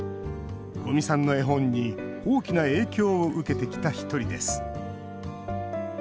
五味さんの絵本に大きな影響を受けてきた一人です。